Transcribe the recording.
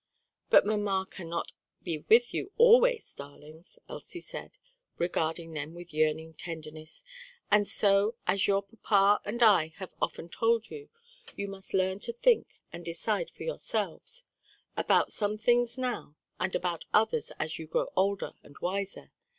"But mamma cannot be with you always, darlings," Elsie said, regarding them with yearning tenderness, "and so, as your papa and I have often told you, you must learn to think and decide for yourselves; about some things now, and about others as you grow older and wiser.